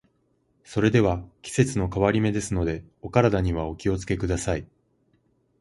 それでは、季節の変わり目ですので、お体にはお気を付けください。